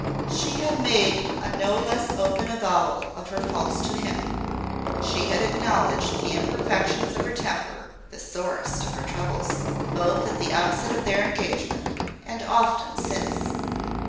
She had made a no less open avowal of her faults to him. She had acknowledged the imperfections of her temper (the sorest of her troubles) both at the outset of their engagement, and often since.